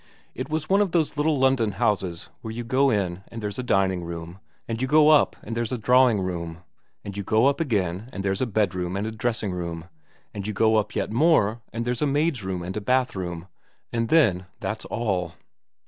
It was one of those little London houses where you go in and there's a dining room, and you go up and there's a drawing room, and you go up again and there's a bedroom and a dressing room, and you go up yet more and there's a maid's room and a bathroom, and then that's all.